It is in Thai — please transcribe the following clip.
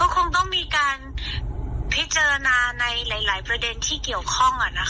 คงต้องมีการพิจารณาในหลายประเด็นที่เกี่ยวข้อง